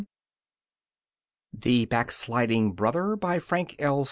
_ THE BACKSLIDING BROTHER BY FRANK L.